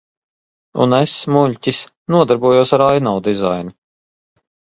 Un es, muļķis, nodarbojos ar ainavu dizainu.